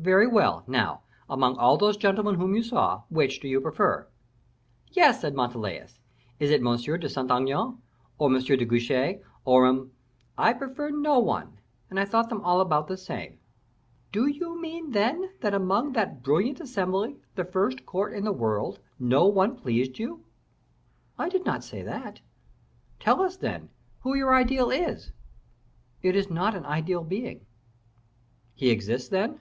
"Very well; now, among all those gentlemen whom you saw, which do you prefer?" "Yes," said Montalais, "is it M. de Saint Aignan, or M. de Guiche, or M. " "I prefer no one; I thought them all about the same." "Do you mean, then, that among that brilliant assembly, the first court in the world, no one pleased you?" "I do not say that." "Tell us, then, who your ideal is?" "It is not an ideal being." "He exists, then?"